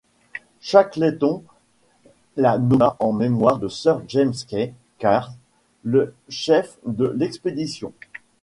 Shackleton la nomma en mémoire de Sir James Key Caird, le chef de l'expédition.